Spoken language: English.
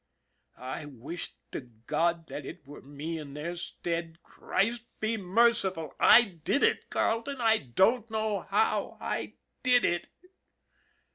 " I wish to God that it were me in their stead. "IF A MAN DIE" 53 Christ be merciful ! I did it, Carleton. I don't know how. I did it."